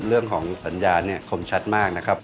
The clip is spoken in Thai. เรื่องของสัญญาเนี่ยคมชัดมากนะครับ